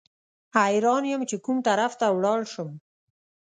حیران یم چې کوم طرف ته ولاړ شم.